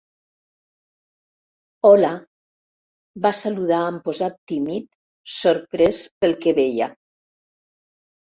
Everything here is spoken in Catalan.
Hola —va saludar amb posat tímid, sorprès pel que veia.